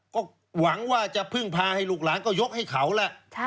ก็หวังว่าจะพึ่งพาให้ลูกหลานก็ยกให้เขาล่ะ